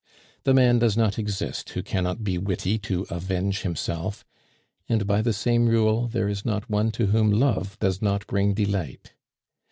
The man does not exist who cannot be witty to avenge himself; and, by the same rule, there is not one to whom love does not bring delight.